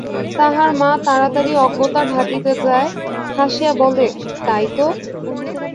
তাহার মা তাড়াতাড়ি অজ্ঞতা ঢাকিতে যায়, হাসিয়া বলে, তাই তো!